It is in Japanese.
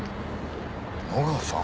野川さん。